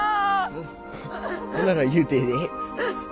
ほなら言うてええで。